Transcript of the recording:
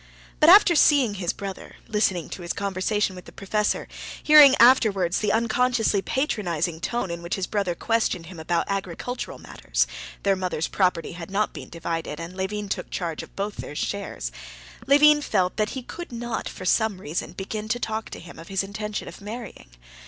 But after seeing his brother, listening to his conversation with the professor, hearing afterwards the unconsciously patronizing tone in which his brother questioned him about agricultural matters (their mother's property had not been divided, and Levin took charge of both their shares), Levin felt that he could not for some reason begin to talk to him of his intention of marrying.